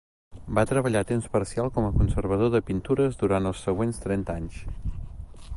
Va treballar a temps parcial com a conservador de pintures durant els següents trenta anys.